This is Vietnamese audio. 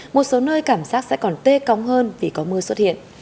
một số nơi cảm giác sẽ còn tê cóng hơn vì có mưa xuất hiện